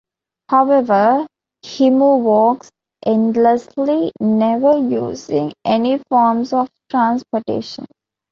However, Himu walks endlessly - never using any forms of transportation.